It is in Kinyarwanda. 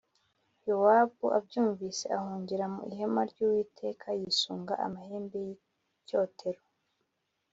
Yowabu abyumvise ahungira mu Ihema ry’Uwiteka, yisunga amahembe y’icyotero.